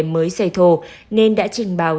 mới xây thô nên đã trình báo